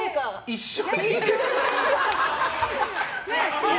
一緒に？